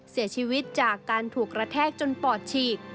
เสียชีวิตจากการถูกกระแทกจนปอดฉีก